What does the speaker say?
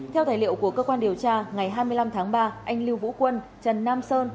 theo tài liệu của cơ quan điều tra ngày hai mươi năm tháng ba anh lưu vũ quân trần nam sơn